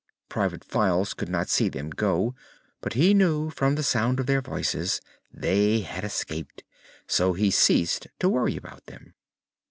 Private Files could not see them go but he knew from the sound of their voices that they had escaped, so he ceased to worry about them.